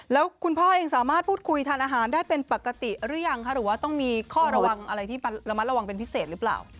แล้วคุณพ่อยังสามารถพูดคุยทานอาหารได้เป็นปกติหรือยังคะหรือว่าต้องมีข้อระวังอะไรที่ระมัดระวังเป็นพิเศษหรือเปล่า